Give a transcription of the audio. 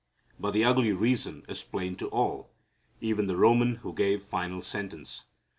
But the ugly reason is plain to all, even the Roman who gave final sentence.